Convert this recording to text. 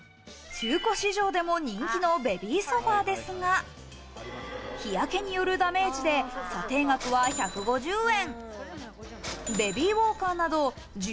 中古市場でも人気のベビーソファですが日焼けによるダメージで査定額は１５０円。